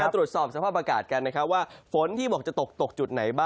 โอ้โฮเห็นใสอย่าไว้ใจนะฮะ